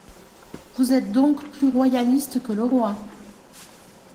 Vous êtes donc plus royaliste que le roi.